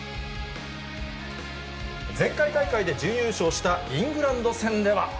前回大会で準優勝したイングランド戦では。